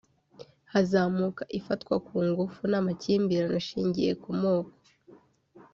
hazamuka ifatwa ku ngufu n’amakimbirane ashingiye ku moko